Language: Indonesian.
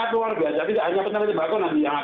tapi hanya penerbangan tembaku nanti yang akan